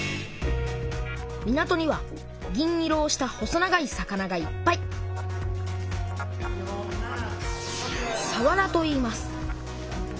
港には銀色をした細長い魚がいっぱいさわらといいます。